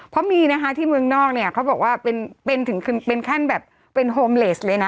เพราะมีนะคะที่เมืองนอกเนี่ยเขาบอกว่าเป็นถึงเป็นขั้นแบบเป็นโฮมเลสเลยนะ